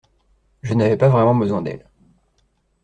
Je n’avais pas vraiment besoin d’elle.